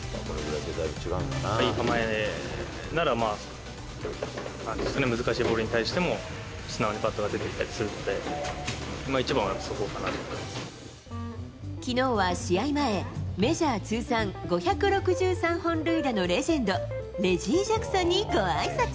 いい構えなら、難しいボールに対しても素直にバットが出てきたりするので、きのうは試合前、メジャー通算５６３本塁打のレジェンド、レジー・ジャクソンにごあいさつ。